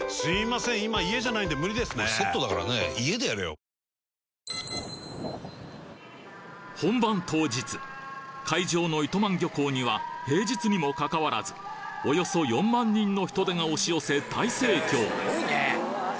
あ本番当日会場の糸満漁港には平日にもかかわらずおよそ４万人の人手が押し寄せ大盛況！